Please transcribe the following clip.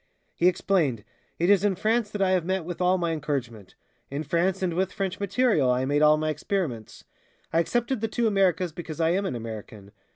He explained, "It is in France that I have met with all my encouragement; in France and with French material I made all my experiments. I excepted the two Americas because I am an American."